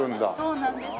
そうなんです。